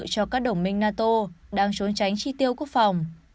cho các đồng minh nato đang trốn tránh chi tiêu quốc phòng